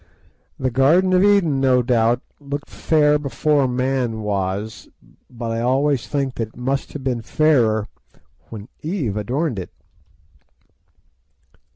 The Garden of Eden, no doubt, looked fair before man was, but I always think that it must have been fairer when Eve adorned it.